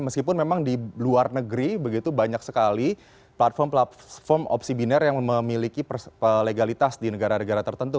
meskipun memang di luar negeri begitu banyak sekali platform platform opsi biner yang memiliki legalitas di negara negara tertentu